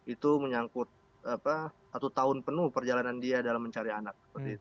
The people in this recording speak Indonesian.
itu menyangkut satu tahun penuh perjalanan dia dalam mencari anak